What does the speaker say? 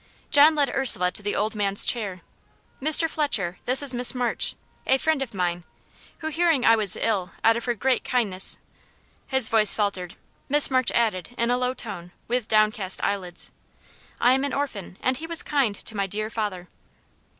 John led Ursula to the old man's chair. "Mr. Fletcher, this is Miss March, a friend of mine, who, hearing I was ill, out of her great kindness " His voice faltered. Miss March added, in a low tone, with downcast eyelids: "I am an orphan, and he was kind to my dear father."